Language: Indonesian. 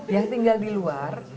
yang tinggal di luar